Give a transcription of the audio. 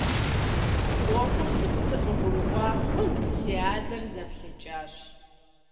Ӏуэхур зыӀутыр къыгурыӀуа хъунт, си адэр зэплъэкӀащ…